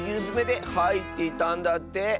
づめではいっていたんだって。